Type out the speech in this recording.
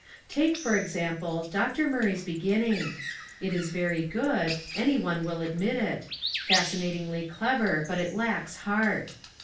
Take for example Dr. Murray's beginning. It is very good, any one will admit it, fascinatingly clever, but it lacks heart.